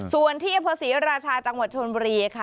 ส่วนที่อำเภอศรีราชาจังหวัดชนบุรีค่ะ